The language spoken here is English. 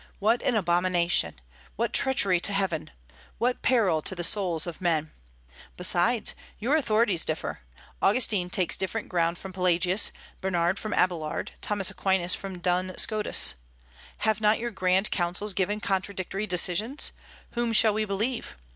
What an abomination! what treachery to heaven! what peril to the souls of men! Besides, your authorities differ: Augustine takes different ground from Pelagius; Bernard from Abélard; Thomas Aquinas from Dun Scotus. Have not your grand councils given contradictory decisions? Whom shall we believe?